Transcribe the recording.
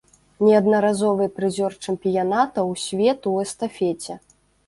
Неаднаразовы прызёр чэмпіянатаў свету ў эстафеце.